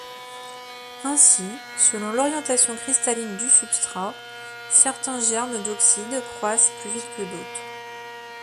Ainsi, selon l'orientation cristalline du substrat, certains germes d'oxyde croissent plus vite que d'autres.